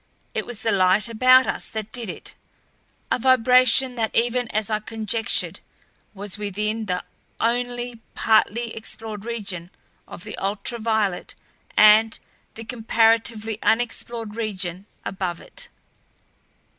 It was the light about us that did it; a vibration that even as I conjectured, was within the only partly explored region of the ultraviolet and the comparatively unexplored region above it.